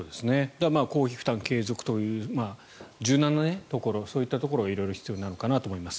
公費負担継続という柔軟なところそういったところが色々必要なのかなと思います。